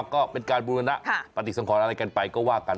ก็เป็นการบูรณะปฏิสังขรอะไรกันไปก็ว่ากัน